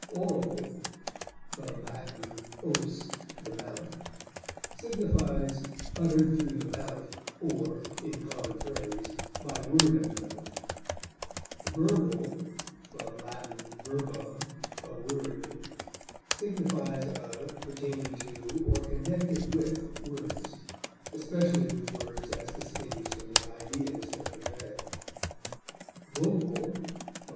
Oral (L. os, the mouth) signifies uttered through the mouth or (in common phrase) by word of mouth; verbal (L. verbum, a word) signifies of, pertaining to, or connected with words, especially with words as distinguished from the ideas they convey; vocal (L.